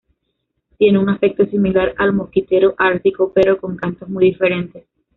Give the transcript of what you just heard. Tiene un aspecto similar al mosquitero ártico, pero con cantos muy diferentes.